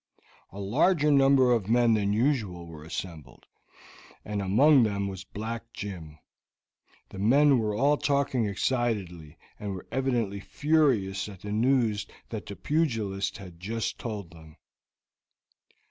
A larger number of men than usual were assembled, and among them was Black Jim. The men were all talking excitedly, and were evidently furious at the news that the pugilist had just told them.